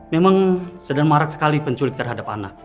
memang sedang marak sekali penculik terhadap anak